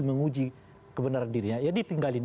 menguji kebenaran dirinya ya ditinggalin